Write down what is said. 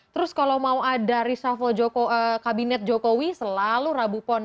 terus kalau mau ada reshuffle kabinet jokowi selalu rabu pon